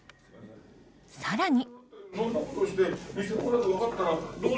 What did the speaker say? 更に。